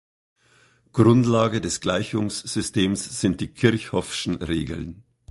Grundlage des Gleichungssystems sind die Kirchhoffschen Regeln.